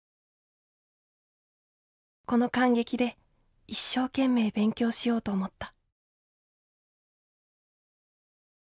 この感激で一生懸命勉強しようと思った」。